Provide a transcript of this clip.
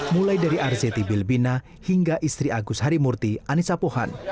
mulai dari arzeti bilbina hingga istri agus harimurti anissa pohan